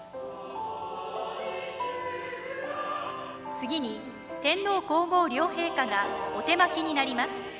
次に天皇皇后両陛下がお手播きになります。